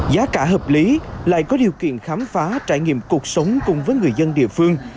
giá cả hợp lý lại có điều kiện khám phá trải nghiệm cuộc sống cùng với người dân địa phương